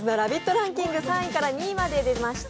ランキング、３位から２位まえ出ました。